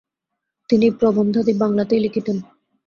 তিনি প্রবন্ধাদি বাংলাতেই লিখতেন।